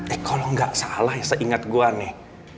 eh kalau enggak salah ya seingat gua nih